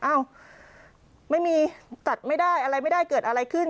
อ้าวไม่มีตัดไม่ได้อะไรไม่ได้เกิดอะไรขึ้น